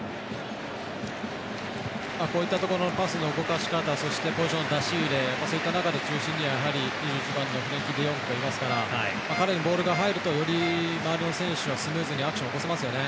こういったところのパスの動かし方そしてポジションの出し入れそういった中で中心には２１番のフレンキー・デヨングがいますから彼にボールが入るとより周りの選手はスムーズにアクションを起こせますよね。